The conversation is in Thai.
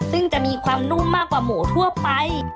ซึ่งจะมีความนุ่มมากกว่าหมูทั่วไป